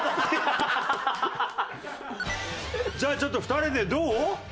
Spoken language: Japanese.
じゃあちょっと２人でどう？